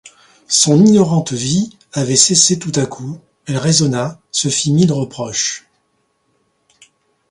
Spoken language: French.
Son ignorante vie avait cessé tout à coup, elle raisonna, se fit mille reproches.